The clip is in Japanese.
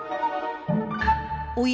おや？